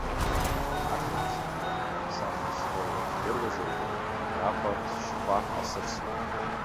Ашықәсан уахҭаԥса шысмоуа здыруазаргьы, абраҟа цәшьхәа асырсуам!